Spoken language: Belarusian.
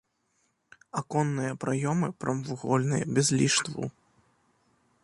Аконныя праёмы прамавугольныя, без ліштваў.